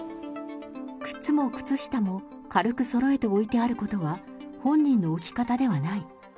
靴も靴下も軽くそろえて置いてあることは、本人の置き方ではない。